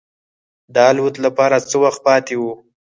د الوت لپاره څه وخت پاتې و.